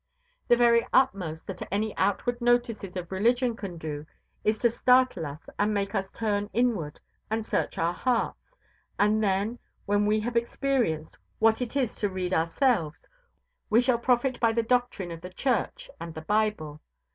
The very utmost that any outward notices of religion can do is to startle us and make us turn inward and search our hearts; and then, when we have experienced what it is to read ourselves, we shall profit by the doctrine of the Church and the Bible."